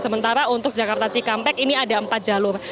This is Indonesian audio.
sementara untuk jakarta cikampek ini ada empat jalur